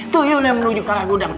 itu yul yang menuju kara gudang